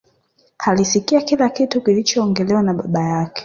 Alisikia kila kitu kilichoongelewa na baba yake